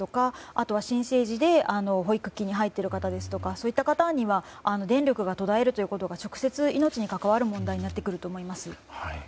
あとは、新生児で保育器に入っている方ですとかそういった方には電力が途絶えるということが直接、命に関わる問題になってくると思います。